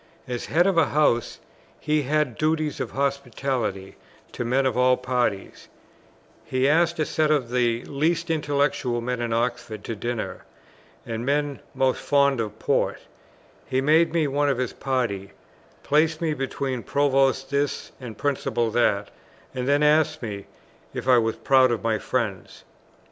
As head of a house he had duties of hospitality to men of all parties; he asked a set of the least intellectual men in Oxford to dinner, and men most fond of port; he made me one of this party; placed me between Provost This and Principal That, and then asked me if I was proud of my friends.